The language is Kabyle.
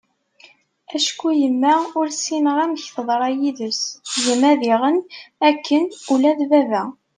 acku yemma ur ssineγ amek teḍṛa yid-s, gma diγen akken, ula d baba